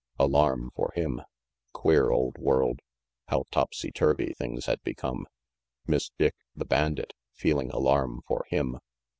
Alarm, for him. Queer old world. How topsy turvy things had become. Miss Dick, the bandit, feeling alarm for him!